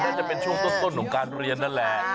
น่าจะเป็นช่วงต้นของการเรียนนั่นแหละ